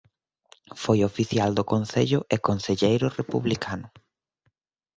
Foi oficial do concello e concelleiro republicano.